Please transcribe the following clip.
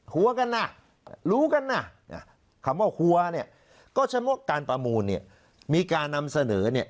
หัวกันน่ะรู้กันนะคำว่าหัวเนี่ยก็เฉพาะการประมูลเนี่ยมีการนำเสนอเนี่ย